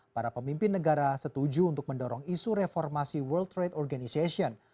para pemimpin negara setuju untuk mendorong isu reformasi world trade organization